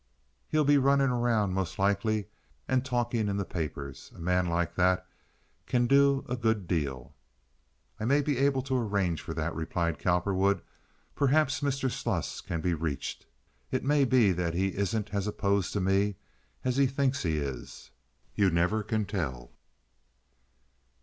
He'll be running around most likely and talking in the papers. A man like that can do a good deal." "I may be able to arrange for that," replied Cowperwood. "Perhaps Mr. Sluss can be reached. It may be that he isn't as opposed to me as he thinks he is. You never can tell."